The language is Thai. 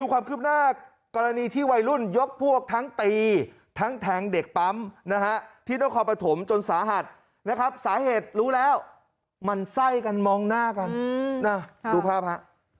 ความคืบหน้ากรณีที่วัยรุ่นยกพวกทั้งตีทั้งแทงเด็กปั๊มนะฮะที่นครปฐมจนสาหัสนะครับสาเหตุรู้แล้วมันไส้กันมองหน้ากันนะดูภาพฮะ